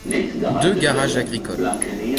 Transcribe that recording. Deux garages agricoles.